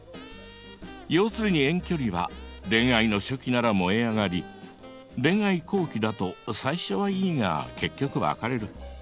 要するに遠距離は恋愛の初期なら燃え上がり恋愛後期だと最初はいいが結局別れる。